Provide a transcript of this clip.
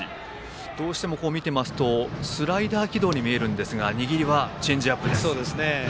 どうしても見ていますとスライダー軌道に見えるんですが握りはチェンジアップです。